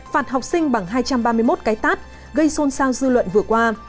phạt học sinh bằng hai trăm ba mươi một cái tát gây xôn xao dư luận vừa qua